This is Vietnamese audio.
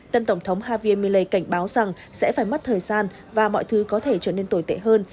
tân tổng thống havillet cảnh báo rằng sẽ phải mất thời gian và mọi thứ có thể trở nên tồi tệ hơn